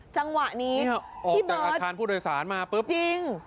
จังหวะนี้ออกจากอาคารผู้โดยสารมาปุ๊บจริง